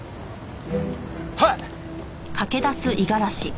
はい！